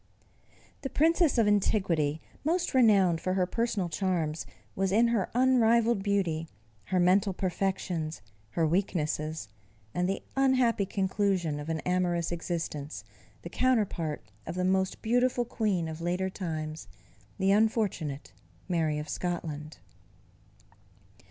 _ The Princess of antiquity, most renowned for her personal charms, was in her unrivalled beauty, her mental perfections, her weaknesses, and the unhappy conclusion of an amorous existence the counterpart of the most beautiful queen of later times, the unfortunate Mary of Scotland.